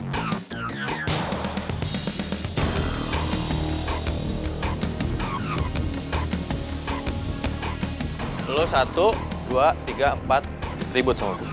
lo satu dua tiga empat ribut semua